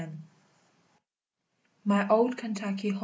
MY OLD KENTUCKY HOME.